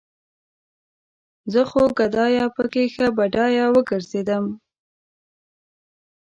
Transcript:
زه خو ګدايه پکې ښه بډايه وګرځېدم